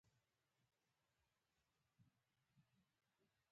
روح د مانا د مرکز په څېر کار کوي.